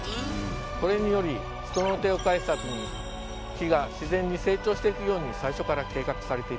これにより人の手を介さずに木が自然に成長していくように最初から計画されていたんです。